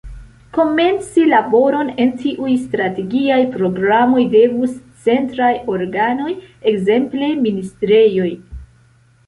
Komenci laboron en tiuj strategiaj programoj devus centraj organoj, ekzemple ministrejoj.